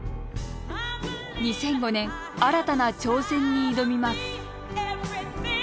２００５年新たな挑戦に挑みます。